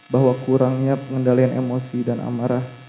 bahwa kurangnya pengendalian emosi dan amarah